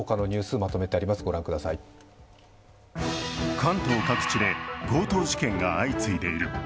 関東各地で強盗事件が相次いでいる。